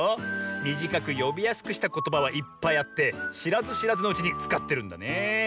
みじかくよびやすくしたことばはいっぱいあってしらずしらずのうちにつかってるんだねえ。